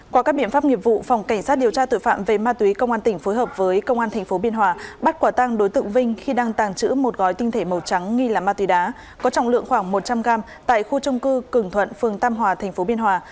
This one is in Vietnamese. qua các biện pháp nghiệp vụ phòng cảnh sát điều tra tội phạm về ma túy công an tỉnh phối hợp với công an tp biên hòa bắt quả tăng đối tượng vinh khi đang tàng trữ một gói tinh thể màu trắng nghi là ma túy đá có trọng lượng khoảng một trăm linh gram tại khu trung cư cường thuận phường tam hòa tp biên hòa